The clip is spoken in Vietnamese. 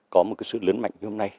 có một sự lớn mạnh như hôm nay